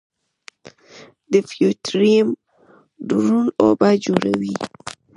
د فیوټیریم دروند اوبه جوړوي.